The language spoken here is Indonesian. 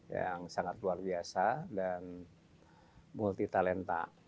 yang sangat luar biasa dan multi talenta